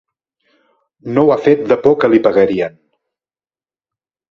No ho ha fet de por que li pegarien.